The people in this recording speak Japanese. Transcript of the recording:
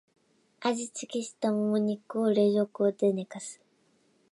味付けしたモモ肉を冷蔵庫で寝かす